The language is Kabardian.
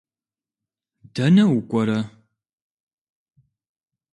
Дэнэ укӏуэрэ?